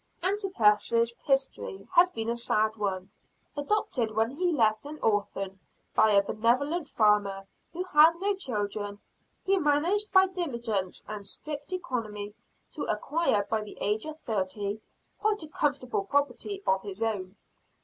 Antipas's history had been a sad one. Adopted when left an orphan by a benevolent farmer who had no children, he managed by diligence and strict economy to acquire by the age of thirty, quite a comfortable property of his own.